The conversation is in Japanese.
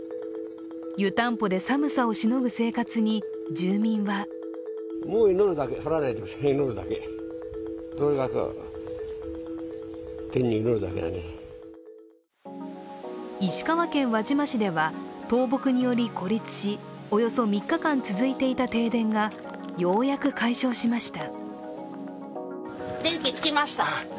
湯たんぽで寒さをしのぐ生活に、住民は石川県輪島市では、倒木により孤立し、およそ３日間続いていた停電がようやく解消しました。